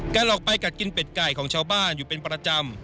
การออกไปกัดกินเป็ดไก่ของชาวบ้านอยู่เป็นประจำ